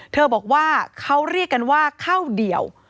เขาบอกว่าเขาเรียกกันว่าข้าวเดี่ยว